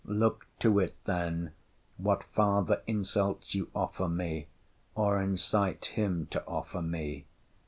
Look to it then, what farther insults you offer me, or incite him to offer me.